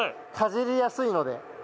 かじりやすいので。